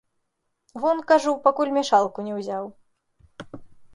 Вон, кажу, пакуль мешалку не ўзяў.